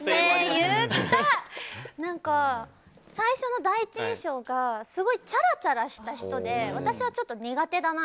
何か、最初の第一印象すごいチャラチャラした人で私はこの人苦手だな